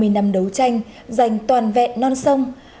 ba mươi năm đấu tranh giành toàn vẹn non sông